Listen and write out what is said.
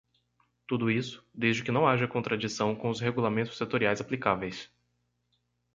Tudo isso, desde que não haja contradição com os regulamentos setoriais aplicáveis.